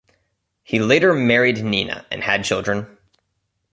He later married Nina and had children.